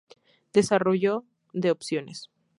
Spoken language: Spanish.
Desarrollo de opciones.